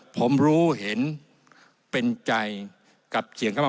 ผมรู้เห็นเป็นใจกับเสียงค่ะ